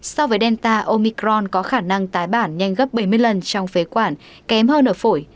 so với delta omicron có khả năng tái bản nhanh gấp bảy mươi lần trong phế quản kém hơn ở phổi